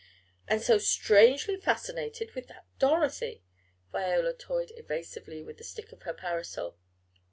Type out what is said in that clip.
"And so strangely fascinated with that Dorothy." Viola toyed evasively with the stick of her parasol.